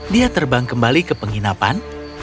dia terbang kembali ke penginapan